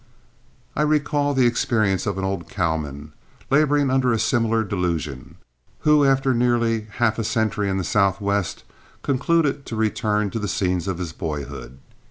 I recall the experience of an old cowman, laboring under a similar delusion, who, after nearly half a century in the Southwest, concluded to return to the scenes of his boyhood.